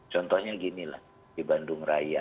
contohnya ginilah di bandung raya